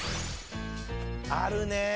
あるね。